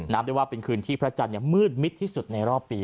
ได้ว่าเป็นคืนที่พระจันทร์มืดมิดที่สุดในรอบปี